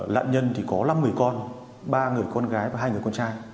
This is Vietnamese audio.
lạn nhân có năm người con ba người con gái và hai người con trai